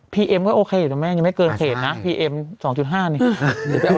พีเอ็มก็โอเคนะแม่ยังไม่เกินเศษนะพีเอ็มสองจุดห้านี่เดี๋ยวไปเอา